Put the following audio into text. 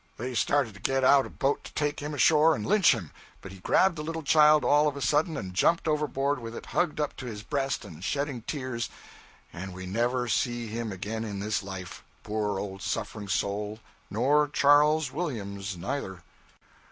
They started to get out a boat to take him ashore and lynch him, but he grabbed the little child all of a sudden and jumped overboard with it hugged up to his breast and shedding tears, and we never see him again in this life, poor old suffering soul, nor Charles William neither.'